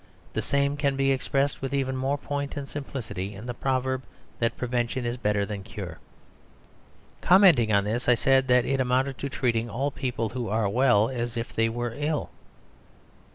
The same can be expressed with even more point and simplicity in the proverb that prevention is better than cure. Commenting on this, I said that it amounted to treating all people who are well as if they were ill.